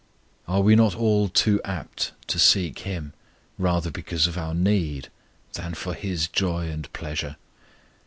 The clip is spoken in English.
Are we not all too apt to seek Him rather because of our need than for His joy and pleasure?